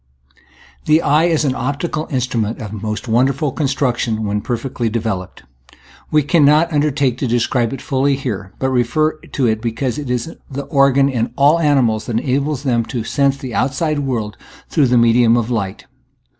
The eye is an optical instrument of mo9t wonderful construction when perfectly de veloped. We cannot undertake to describe it fully here, but refer to it because it is the organ in all animals that enables them to sense the outside world through the medium of light.